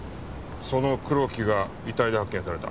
その黒木が遺体で発見された。